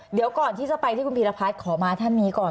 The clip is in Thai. เดี๋ยวก่อนที่จะไปที่คุณพีรพัฒน์ขอมาท่านนี้ก่อน